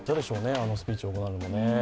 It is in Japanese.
あのスピーチを行うのもね。